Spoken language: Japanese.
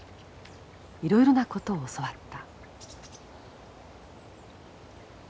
いろいろなことを教わった。